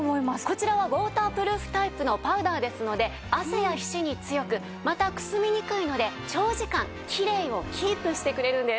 こちらはウォータープルーフタイプのパウダーですので汗や皮脂に強くまたくすみにくいので長時間きれいをキープしてくれるんです。